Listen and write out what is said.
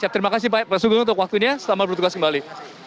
terima kasih pak sudung untuk waktunya selamat berdua tugas kembali